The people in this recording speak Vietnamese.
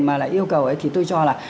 mà yêu cầu thì tôi cho là